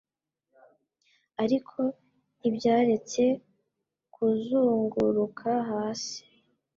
Ariko ntibyaretse kuzunguruka hasi